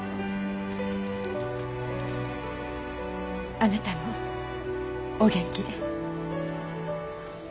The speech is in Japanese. あなたもお元気で。